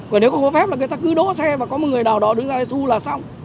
còn nếu không có phép là người ta cứ đỗ xe và có một người nào đó đứng ra đây thu là xong